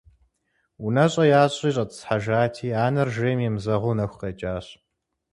УнэщӀэ ящӀри щӀэтӀысхьэжати, анэр жейм емызэгъыу нэху къекӀащ.